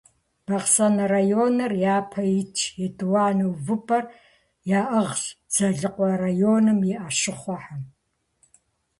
Бахъсэн районыр япэ итщ, етӀуанэ увыпӀэр яӀыгъщ Дзэлыкъуэ районым и Ӏэщыхъуэхэм.